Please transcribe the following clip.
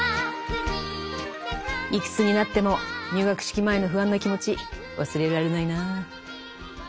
いくつになっても入学式前の不安な気持ち忘れられないなぁ。